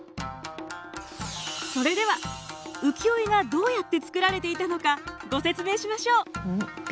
それでは浮世絵がどうやって作られていたのかご説明しましょう。